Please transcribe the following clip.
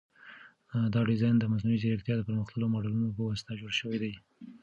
دا ډیزاین د مصنوعي ځیرکتیا د پرمختللو ماډلونو په واسطه جوړ شوی دی.